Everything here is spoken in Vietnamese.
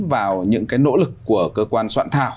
vào những cái nỗ lực của cơ quan soạn thảo